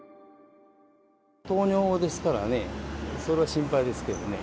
糖尿ですからね、そら心配ですけどね。